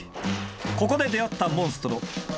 ここで出会ったモンストロ。